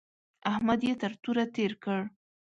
احمد يې تر توره تېر کړ.